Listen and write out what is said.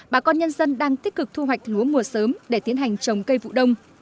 bà con nhân dân đang tích cực thu hoạch lúa mùa sớm để tiến hành trồng cây vụ đông